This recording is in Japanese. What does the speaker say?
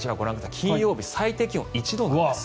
金曜日、最低気温１度なんです。